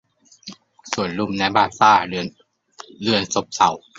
สวนลุมไนท์บาร์บาเรี่ยนซัลซ่า !